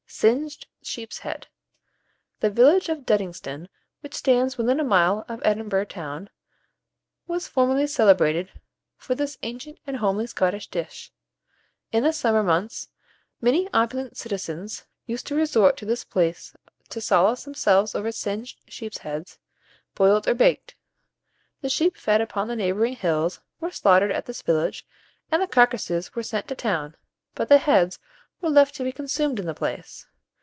SINGED SHEEP'S HEAD. The village of Dudingston, which stands "within a mile of Edinburgh town," was formerly celebrated for this ancient and homely Scottish dish. In the summer months, many opulent citizens used to resort to this place to solace themselves over singed sheep's heads, boiled or baked. The sheep fed upon the neighbouring hills were slaughtered at this village, and the carcases were sent to town; but the heads were left to be consumed in the place.